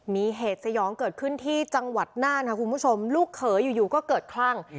มีเหตุสยองเกิดขึ้นที่จังหวัดน่านค่ะคุณผู้ชมลูกเขยอยู่ก็เกิดคลั่ง